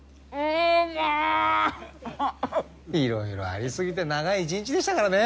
色々ありすぎて長い一日でしたからね。